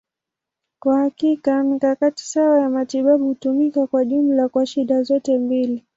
Kwa hakika, mikakati sawa ya matibabu hutumika kwa jumla kwa shida zote mbili.